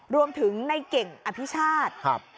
รวมถึงนายเก่งอภิชาธิ์